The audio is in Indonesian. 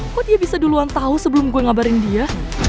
kok dia bisa duluan tahu sebelum gue ngabarin dia